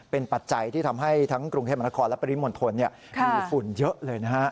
เป็นปัจจัยที่ทำให้ทั้งกรุงเทพมนครและปริมณฑลมีฝุ่นเยอะเลยนะฮะ